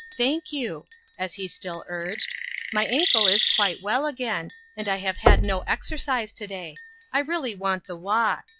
Thank you !" as he still urged, " my ankle is quite well again, and I have had no ex ercise to day ; I really want the walk.